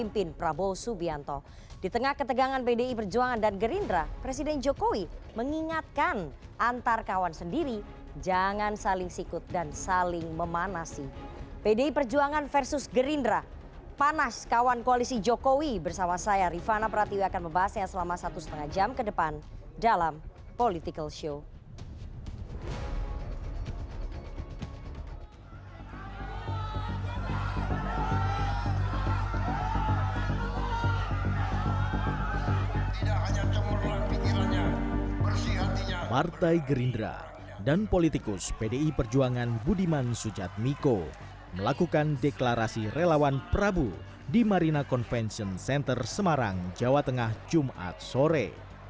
perikus pdi perjuangan budiman sujat miko melakukan deklarasi relawan prabu di marina convention center semarang jawa tengah jumat sore